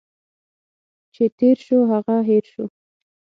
چي تیر شو، هغه هٻر شو.